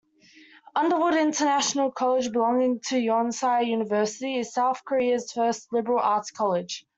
Underwood International College belonging to Yonsei University is South Korea's first liberal arts college.